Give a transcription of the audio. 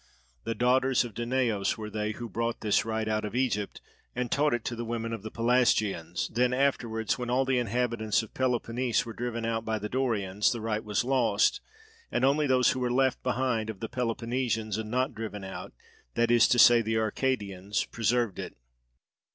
The daughters of Danaos were they who brought this rite out of Egypt and taught it to the women of the Pelasgians; then afterwards when all the inhabitants of Peloponnese were driven out by the Dorians, the rite was lost, and only those who were left behind of the Peloponnesians and not driven out, that is to say the Arcadians, preserved it.